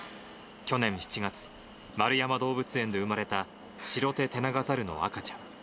去年７月、円山動物園で生まれたシロテテナガザルの赤ちゃん。